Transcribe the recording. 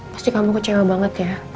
pasti kamu kecewa banget ya